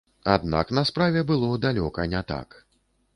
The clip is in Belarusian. Аднак на справе было далёка не так.